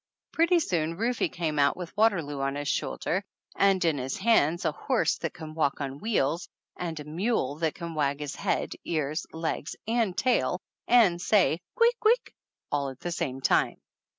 Pretty soon Rufe came out with Waterloo on his shoulder and in his hands a horse that can walk on wheels and a mule that can wag his head, ears, legs and tail and say, "queek, queek," all at the same time.